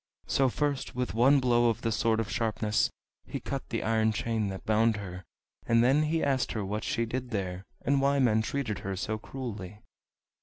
So first with one blow of the Sword of Sharpness he cut the iron chain that bound her, and then he asked her what she did there, and why men treated her so cruelly.